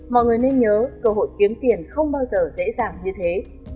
mọi người nên nhớ cơ hội kiếm tiền không bao giờ dễ dàng như thế